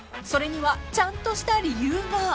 ［それにはちゃんとした理由が］